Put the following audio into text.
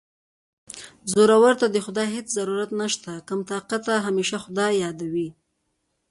زورور ته د خدای هېڅ ضرورت نشته کم طاقته همېشه خدای یادوي